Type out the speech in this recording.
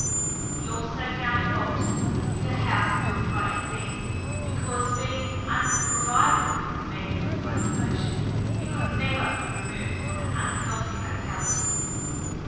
He also found fault with a house built by Athene because, being unprovided with the means of locomotion, it could never be removed from an unhealthy locality.